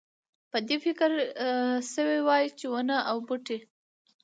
په دې فکر شوی وای چې ونه او بوټی.